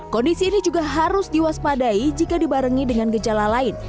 kondisi ini juga harus diwaspadai jika dibarengi dengan gejala lain